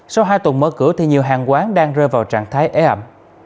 sau hai tuần mở cửa thì nhiều hàng quán đang rơi vào trạng thái ế ẩm